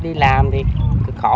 đi làm thì cực khổ